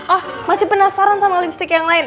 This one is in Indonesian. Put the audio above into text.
oh masih penasaran sama lipstick yang lain